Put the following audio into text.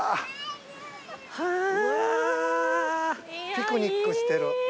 ピクニックしてる。